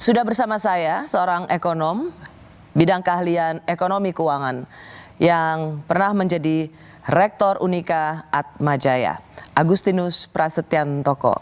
sudah bersama saya seorang ekonom bidang keahlian ekonomi keuangan yang pernah menjadi rektor unika atmajaya agustinus prasetyantoko